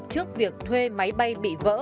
trước việc thuê máy bay bị vỡ